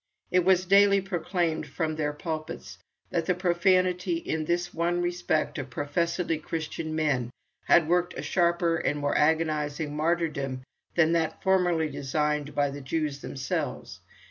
It was daily proclaimed from their pulpits that the profanity in this one respect of professedly Christian men had worked a sharper and more agonising martyrdom than that formerly designed by the Jews themselves.